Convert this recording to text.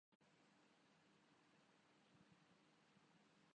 تاہم اس کے استعمال کے لئے سسٹم میں ڈوس کا انسٹال کرنا لازمی تھا